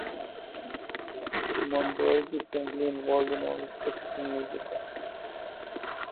Monroig is currently involved in all of the aspects of music.